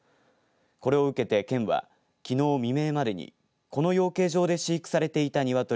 これを受けて県はきのう未明までにこの養鶏場で飼育されていた鶏